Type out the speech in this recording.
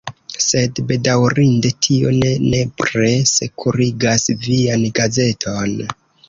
Sed, bedaŭrinde, tio ne nepre sekurigas vian gazeton.